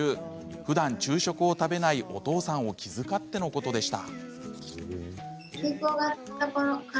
ふだん昼食を食べないお父さんを気遣ってのことでした。